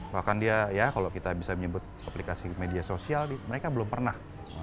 bahkan dia ya kalau kita bisa menyebut aplikasi media sosial mereka belum pernah